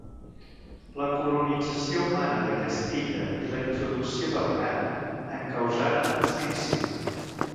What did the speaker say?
La colonització humana d'aquesta illa i la introducció del gat en causaren l'extinció.